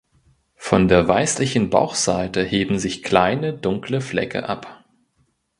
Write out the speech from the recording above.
Von der weißlichen Bauchseite heben sich kleine dunkle Flecke ab.